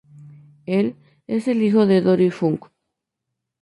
Él es el hijo de Dory Funk.